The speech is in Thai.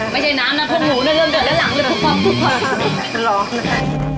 ไม่ใช่น้ำน้ำน้ำพวกหนูน่ะเริ่มเดือดแล้วหลังเริ่มเดือด